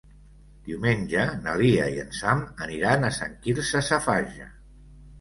Diumenge na Lia i en Sam aniran a Sant Quirze Safaja.